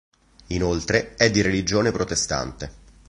Inoltre è di religione protestante.